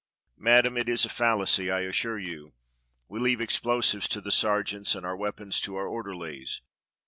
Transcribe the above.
Madam, it is a fallacy, I assure you. We leave explo sives to the sergeants and our weapons to our orderlies.